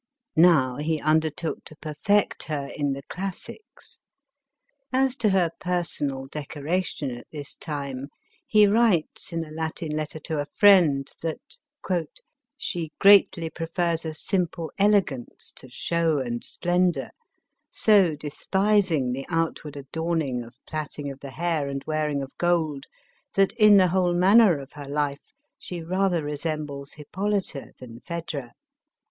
Now, he undertook to perfect her in the clas sics. As to her personal decoration, at this time, lie writes, in a Latin letter to a friend, that " she greatly prefers a simple elegance, to show and splendor, so despising the outward adorning of plaiting of the hair and wearing of gold, that in the whole manner of lu r life she rather resembles nippolyta than Phoedra."